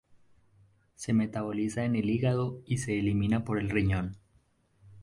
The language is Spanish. Se metaboliza en el hígado y se elimina por el riñón.